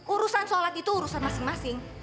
urusan sholat itu urusan masing masing